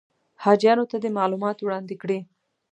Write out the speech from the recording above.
حاجیانو ته دې معلومات وړاندې کړي.